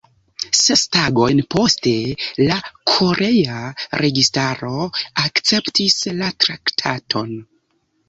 Ses tagojn poste, la korea registaro akceptis la traktaton.